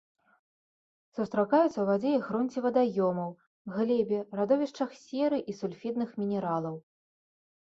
Сустракаюцца у вадзе і грунце вадаёмаў, глебе, радовішчах серы і сульфідных мінералаў.